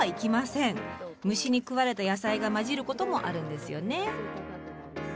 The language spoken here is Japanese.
虫に食われた野菜が交じることもあるんですよね。